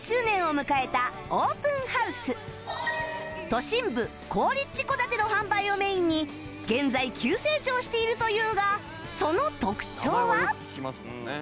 都心部・好立地戸建ての販売をメインに現在急成長しているというがその特徴は